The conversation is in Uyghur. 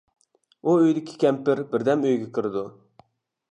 ئۇ ئۆيدىكى كەمپىر بىر دەم ئۆيگە كىرىدۇ.